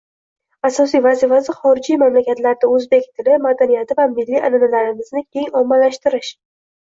Asosiy vazifasi xorijiy mamlakatlarda o‘zbek tili, madaniyati va milliy an’analarimizni keng ommalashtirish